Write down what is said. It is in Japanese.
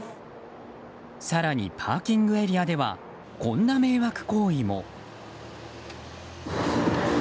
更に、パーキングエリアではこんな迷惑行為も。